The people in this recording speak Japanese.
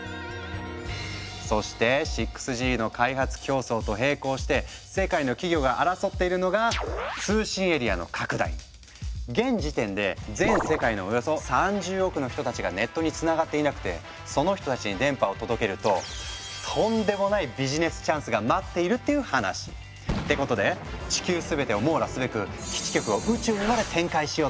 そして６Ｇの開発競争と並行して世界の企業が争っているのが現時点で全世界のおよそ３０億の人たちがネットにつながっていなくてその人たちに電波を届けるととんでもないビジネスチャンスが待っているっていう話。ってことで地球すべてを網羅すべく基地局を宇宙にまで展開しようとしている。